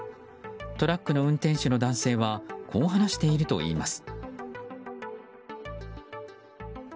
トラックの運転手の男性はこう話しているといいます。